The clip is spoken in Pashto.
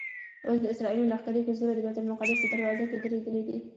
اوس د اسرائیلو لښکرې په زوره د بیت المقدس په دروازو کې درېدلي دي.